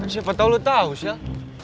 siapa tau lo tau syel